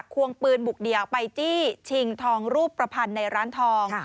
ควงปืนบุกเดี่ยวไปจี้ชิงทองรูปประพันธ์ในร้านทอง